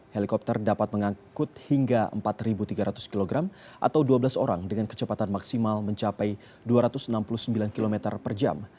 helikopter dapat mengangkut hingga empat tiga ratus kg atau dua belas orang dengan kecepatan maksimal mencapai dua ratus enam puluh sembilan km per jam